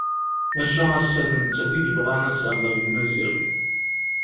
Maca ass-a d nettat i yebɣan ad tehder d Maziɣ.